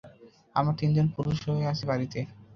আমরা তিনজন পুরুষই আছি বাড়িতে।